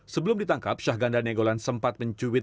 sebelum ditangkap syahganda negolan sempat mencuit